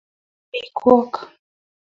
cham biikwok